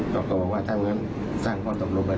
และก็ไม่ได้ยัดเยียดให้ทางครูส้มเซ็นสัญญา